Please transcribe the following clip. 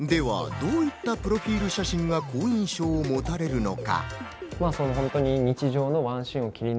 どういったプロフィル写真が好印象を持たれるのか？